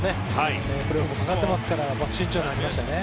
プレーオフがかかっていますから慎重になりましたね。